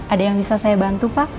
ada yang bisa saya bantu pak